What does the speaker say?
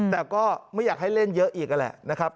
แต่ก็ไม่อยากให้เล่นเยอะอีกนั่นแหละนะครับ